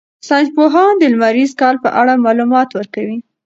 ساینس پوهان د لمریز کال په اړه معلومات ورکوي.